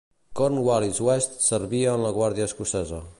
Cornwallis-West servia en la Guàrdia Escocesa.